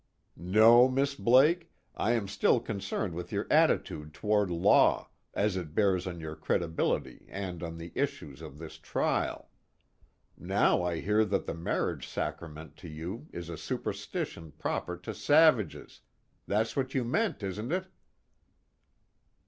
"No, Miss Blake, I am still concerned with your attitude toward law, as it bears on your credibility and on the issues of this trial. Now I hear that the marriage sacrament to you is a superstition proper to savages that's what you meant, isn't it?"